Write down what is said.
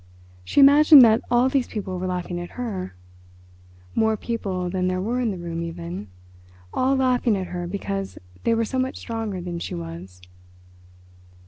She imagined that all these people were laughing at her, more people than there were in the room even—all laughing at her because they were so much stronger than she was.